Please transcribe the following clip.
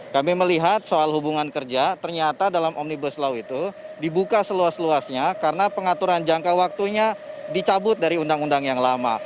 kami melihat soal hubungan kerja ternyata dalam omnibus law itu dibuka seluas luasnya karena pengaturan jangka waktunya dicabut dari undang undang yang lama